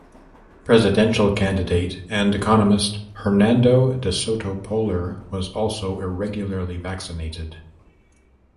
Presidential candidate and economist Hernando de Soto Polar was also irregularly vaccinated.